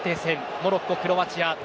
モロッコ、クロアチア。